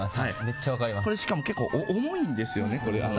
これ、しかも結構重いんですよね。